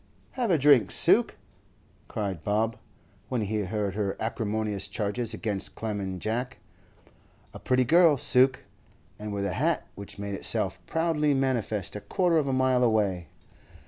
'Have a drink, Suke!' cried Bob, when he heard her acrimonious charges against Clem and Jack. A pretty girl, Suke, and with a hat which made itself proudly manifest a quarter of a mile away.